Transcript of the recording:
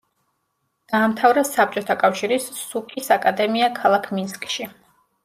დაამთავრა საბჭოთა კავშირის სუკ-ის აკადემია ქალაქ მინსკში.